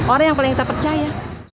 orang yang paling kita percaya